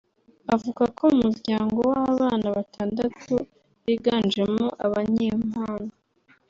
Avuka mu muryango w’abana batandatu biganjemo abanyempano